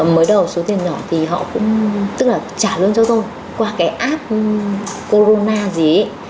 mới đầu số tiền nhỏ thì họ cũng trả luôn cho tôi qua cái app corona gì ấy